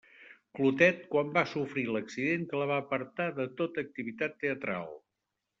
Clotet quan va sofrir l'accident que la va apartar de tota activitat teatral.